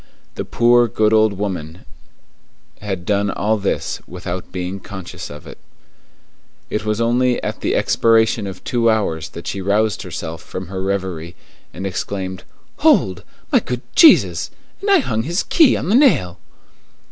The poor, good old woman had done all this without being conscious of it. It was only at the expiration of two hours that she roused herself from her reverie, and exclaimed, "Hold! My good God Jesus! And I hung his key on the nail!"